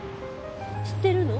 知ってるの？